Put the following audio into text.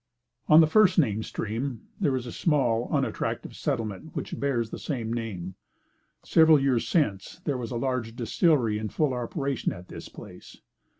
On the first named stream, there is a small and unattractive settlement, which bears the same name. Several years since, there was a large distillery in full operation at this place.